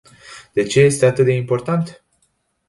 De ce este atât de important?